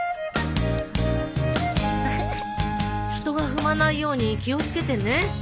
人が踏まないように気を付けてね。